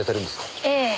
ええ。